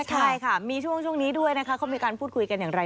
ใช่ค่ะมีช่วงนี้ด้วยนะคะเขามีการพูดคุยกันอย่างไร